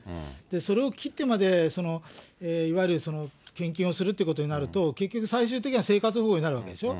それを切ってまでいわゆる献金をするということになると、結局最終的には生活保護になるわけでしょ。